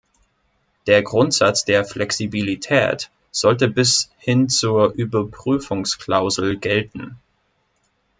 Der Grundsatz der Flexibilität sollte bis hin zur Überprüfungsklausel gelten.